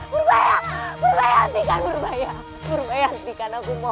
purbaya purbaya hatikan purbaya hatikan aku mohon